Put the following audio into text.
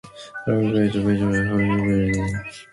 Land between the industrial area and the river is prone to flooding.